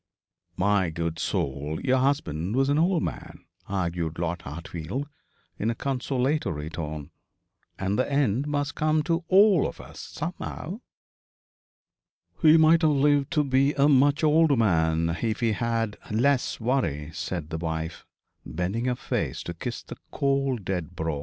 'My good soul, your husband was an old man,' argued Lord Hartfield, in a consolatory tone, 'and the end must come to all of us somehow.' 'He might have lived to be a much older man if he had had less worry,' said the wife, bending her face to kiss the cold dead brow.